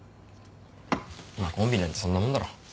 コンビなんてそんなもんだろ。